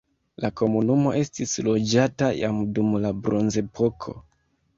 La komunumo estis loĝata jam dum la bronzepoko.